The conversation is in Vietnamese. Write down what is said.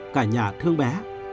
cả nhà thương bé